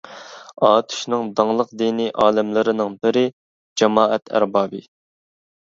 ئاتۇشنىڭ داڭلىق دىنى ئالىملىرىنىڭ بىرى، جامائەت ئەربابى.